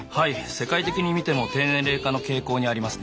世界的に見ても低年齢化の傾向にありますね。